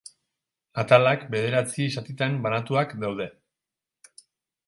Atalak bederatzi zatitan banatuak daude.